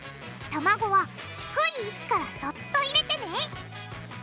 卵は低い位置からそっと入れてね。